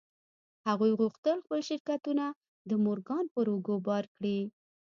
هغوی غوښتل خپل شرکتونه د مورګان پر اوږو بار کړي